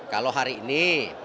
kalau hari ini